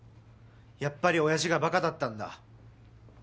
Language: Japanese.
やっぱり親父が馬鹿だったんだ。